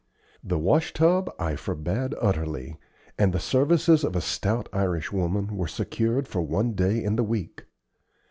The wash tub I forbade utterly, and the services of a stout Irishwoman were secured for one day in the week.